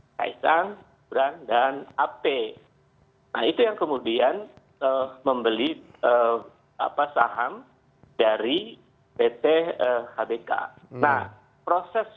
kaisang da dan ap nah itu yang kemudian ke membeli eh apa saham dari pt eh hbk nah proses